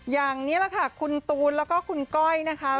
อย่างนี้แหละค่ะคุณตูนแล้วก็คุณก้อยนะคะ